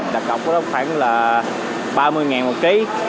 đặt cọc của đó khoảng là ba mươi một ký